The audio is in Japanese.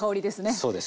そうです。